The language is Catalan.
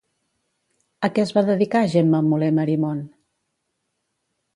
A què es va dedicar Gemma Moler Marimon?